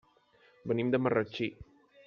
Venim de Marratxí.